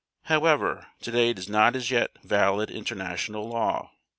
However, today it is not as yet valid international law.